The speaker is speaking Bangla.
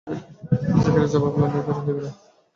জাকারিয়া জবাব না দিয়ে বের হয়ে এলেন।